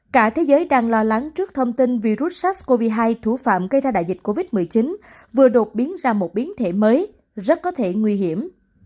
cả thế giới đang lo lắng trước thông tin virus sars cov hai thủ phạm gây ra đại dịch covid một mươi chín vừa đột biến ra một biến thể mới rất có thể nguy hiểm